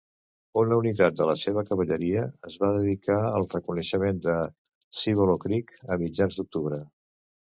Una unitat de la seva cavalleria es va dedicar al reconeixement de Cibolo Creek a mitjans d'octubre.